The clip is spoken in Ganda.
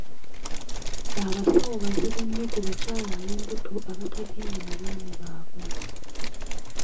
Abasawo bazibu nnyo ku bakyala ab'embuto abatagenda na baami baabwe.